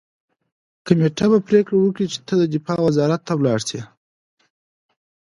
کمېټه به پریکړه وکړي چې ته دفاع وزارت ته لاړ شې